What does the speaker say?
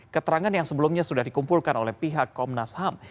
keterangan yang sebelumnya sudah dikumpulkan oleh pihak komnas ham